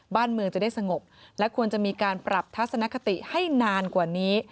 บ้านเมืองจะได้สงบและควรจะมีการปรับทัศนคติให้นานกว่านี้